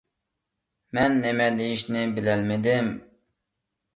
مەن نېمە دېيىشنى بىلەلمىدىم.